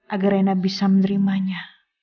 agar rena bisa menerimanya